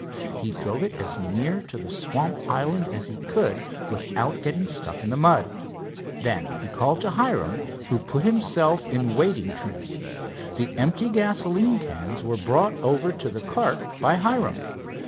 He drove it as near to the swamp island as he could, without getting stuck in the mud. Then, he called to Hiram, who put himself in wading trim. The empty gasoline cans were over to the cart by Hiram.